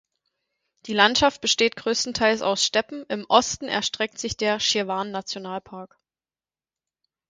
Die Landschaft besteht größtenteils aus Steppen, im Osten erstreckt sich der Schirwan-Nationalpark.